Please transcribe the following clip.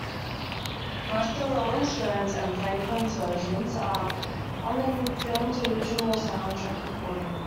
Both the Rolling Stones' and Franklin's versions are on the film's original soundtrack recording.